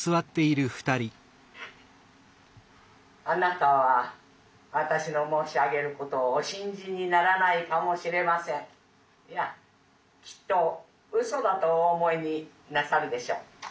「あなたは私の申し上げることをお信じにならないかもしれません。いやきっとうそだとお思いになさるでしょう。